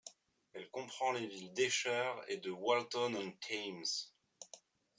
Elle comprend les villes d'Esher et de Walton-on-Thames.